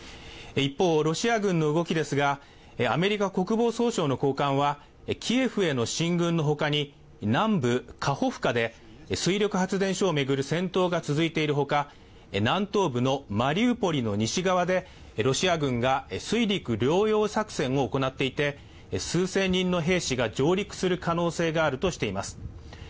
一方、ロシア軍の動きですが、アメリカ国防総省の高官は、キエフへの進軍のほかに南部カホフカで水力発電所を巡る戦闘が続いているほか、南東部のマリウポリの西側でロシア軍が水陸両用作戦を行っていて、数千人の兵士が上陸する可能性があるとしています。